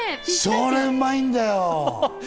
それうまいんだよ。